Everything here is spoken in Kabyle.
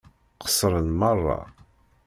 Qeṣṣṛen meṛṛa.